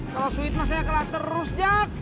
kalau sweet saya kalah terus jack